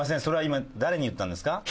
それは今誰に言ったんですか？